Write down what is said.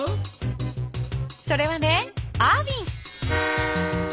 それはねアービン。